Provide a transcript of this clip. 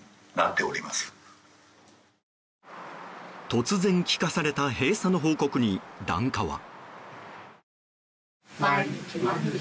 突然、聞かされた閉鎖の報告に檀家は。